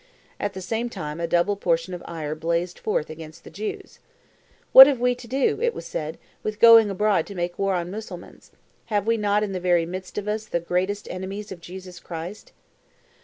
At the same time a double portion of ire blazed forth against the Jews. "What have we to do," it was said, "with going abroad to make war on Mussulmans? Have we not in the very midst of us the greatest enemies of Jesus Christ?"